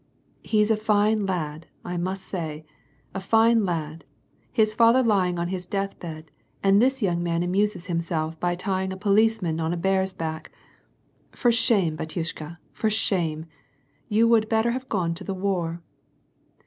"He's a fine lad, I must say, a fine lad ! His father lying on his death bed, and this young man amuses himself by tying a policeman on a bear's back ! For shame, batyushka, for shame. You would better have gone to the war."